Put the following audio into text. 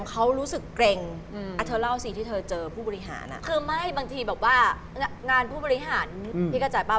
คือไม่บางทีแบบว่างานผู้บริหารที่กระจายป่าว